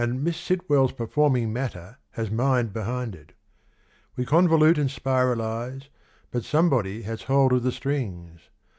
. Miss Sitwell's performing matter has mind behind it. We convolute and spiralize, but somebody has hold of the strings.